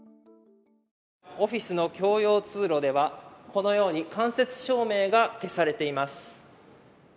オフィスの共用通路ではこのように間接照明が消されています。